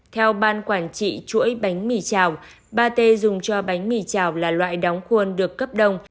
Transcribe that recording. theo ban quản trị chuỗi bánh mì chảo pate dùng cho bánh mì chảo là loại đóng khuôn được cấp đông